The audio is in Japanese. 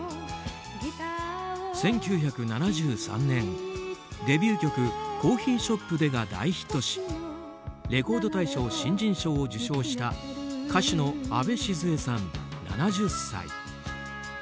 １９７３年、デビュー曲「コーヒーショップで」が大ヒットしレコード大賞新人賞を受賞した歌手のあべ静江さん、７０歳。